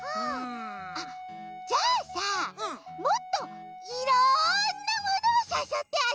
あっじゃあさもっといろんなものをさそってあそぼうよ。